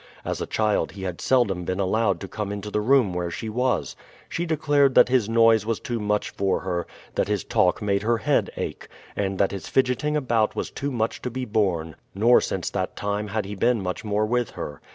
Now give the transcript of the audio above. As a child he had seldom been allowed to come into the room where she was. She declared that his noise was too much for her, that his talk made her head ache, and that his fidgeting about was too much to be borne. Nor since that time had he been much more with her.